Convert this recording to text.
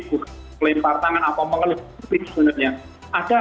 lepas itu melempar tangan atau mengelupin sebenarnya